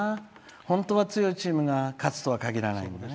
本当は強いチームが勝つとはかぎらないんだな。